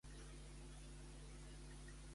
M'agradaria molt que encenguessis els ulls de bou.